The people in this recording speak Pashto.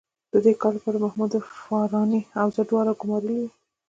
د دې کار لپاره یې محمود فاراني او زه دواړه ګومارلي وو.